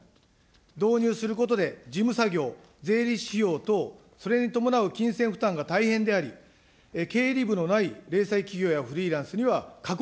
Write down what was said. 導入することで、事務作業、税理士費用等、それに伴う金銭負担が大変であり、経理部のない零細企業やフリーランスには過酷。